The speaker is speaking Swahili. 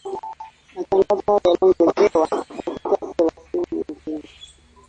Matangazo hayo yaliongezewa dakika nyingine thelathini